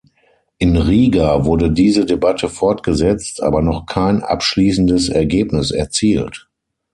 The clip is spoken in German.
In Riga wurde diese Debatte fortgesetzt, aber noch kein abschließendes Ergebnis erzielt.